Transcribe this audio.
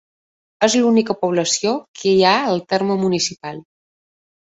És l'única població que hi ha al terme municipal.